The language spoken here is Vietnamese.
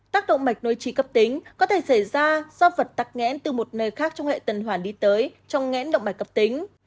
tác động mạch nối trí cấp tính có thể xảy ra do vật tắc nghẽn từ một nơi khác trong hệ tần hoàn đi tới trong nghẽn động mạch cấp tính